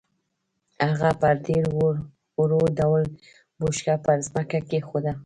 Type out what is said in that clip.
هغه په ډېر ورو ډول بوشکه پر ځمکه کېښوده.